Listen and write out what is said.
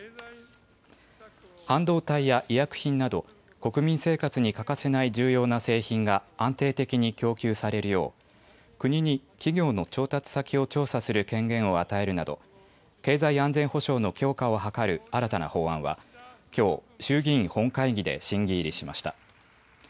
半導体や医薬品など、国民生活に欠かせない重要な製品が安定的に供給されるよう、国に企業の調達先を調査する権限を与えるなど、経済安全保障の強化を図る新たな法案は、きょう、衆議院本会議で審議入りしました。